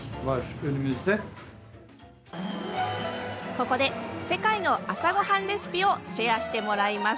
ここで世界の朝ごはんレシピをシェアしてもらいます！